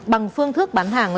bằng phương thức bán hàng